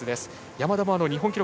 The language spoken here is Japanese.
山田も日本記録